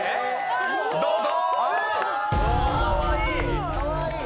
［どうぞ！］